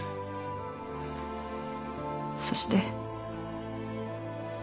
そして。